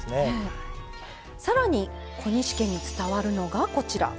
さらに小西家に伝わるのがこちら。